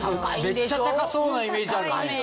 めっちゃ高そうなイメージあるね。